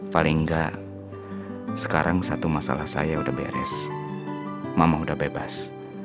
paling enggak sekarang satu masalah saya udah beres mama udah bebas